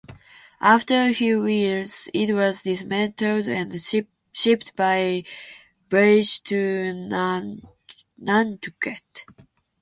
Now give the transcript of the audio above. After a few years, it was dismantled and shipped by barge to Nantucket.